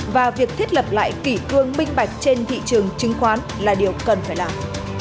và việc thiết lập lại kỷ cương minh bạch trên thị trường chứng khoán là điều cần phải làm